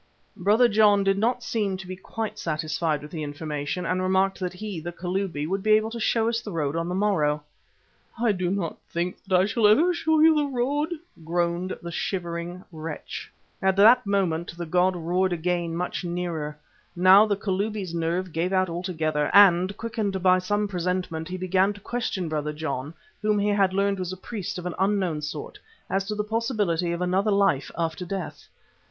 Brother John did not seem to be quite satisfied with the information, and remarked that he, the Kalubi, would be able to show us the road on the morrow. "I do not think that I shall ever show you the road," groaned the shivering wretch. At that moment the god roared again much nearer. Now the Kalubi's nerve gave out altogether, and quickened by some presentiment, he began to question Brother John, whom he had learned was a priest of an unknown sort, as to the possibility of another life after death.